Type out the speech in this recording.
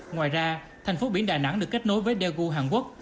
ngoài ra thành phố biển đà nẵng được kết nối với daegu hàn quốc